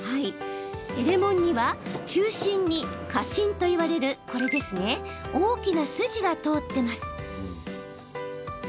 レモンには中心に果芯といわれる大きな筋が通ってます。